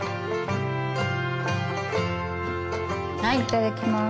はいいただきます。